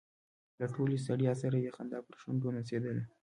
له ټولې ستړیا سره یې خندا پر شونډو نڅېدله.